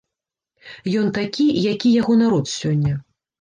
Ён такі, які яго народ сёння.